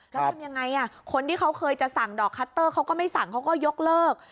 แล้วทำยังไงคนที่เขาเคยจะสั่งดอกคัตเตอร์เขาก็ไม่สั่งเขาก็ยกเลิก